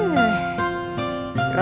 ya buat dibaca